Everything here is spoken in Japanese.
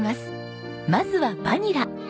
まずはバニラ。